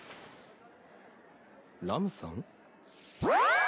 ラムさん？